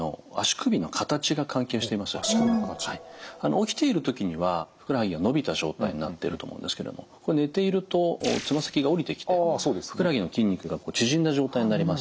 起きている時にはふくらはぎが伸びた状態になってると思うんですけども寝ていると爪先が下りてきてふくらはぎの筋肉が縮んだ状態になります。